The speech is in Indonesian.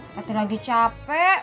tati lagi capek